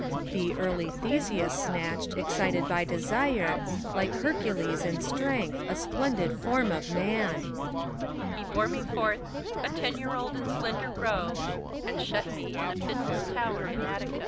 Thee early Theseus snatched, excited by desire, Like Heracles in strength, a splendid form of man. HELENA. He bore me forth, a ten year old and slender roe, And shut me in Aphidnus' tower, in Attica.